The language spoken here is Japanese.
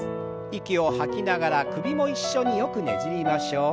息を吐きながら首も一緒によくねじりましょう。